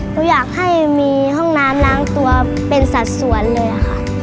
หนูอยากให้มีห้องน้ำล้างตัวเป็นสัดส่วนเลยค่ะ